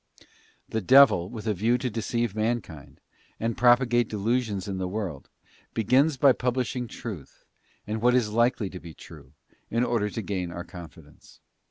The devil with a view to deceive mankind, and propagate delusions in the world, begins by publishing truth, and what is likely to be true, in order to gain our confidence.